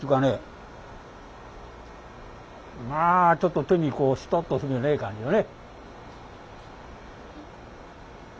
まあちょっと手にこうしとっとするね感じよね。